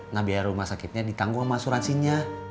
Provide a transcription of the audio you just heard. nah biaya rumah sakitnya ditanggung sama asuransinya